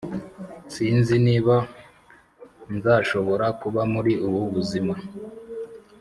sinzi niba nzashobora kuba muri ubu buzima